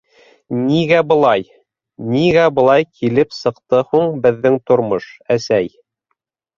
Нигә былай... нигә былай килеп сыҡты һуң беҙҙең тормош, әсәй?!